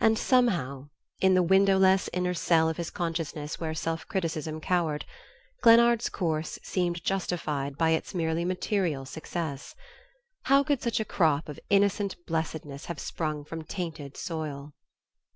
And somehow in the windowless inner cell of his consciousness where self criticism cowered Glennard's course seemed justified by its merely material success. How could such a crop of innocent blessedness have sprung from tainted soil?